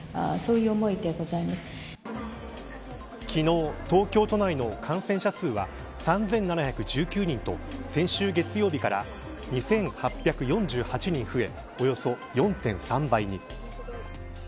昨日、東京都内の感染者数は３７１９人と先週月曜日から２８４８人増えおよそ４．３倍に。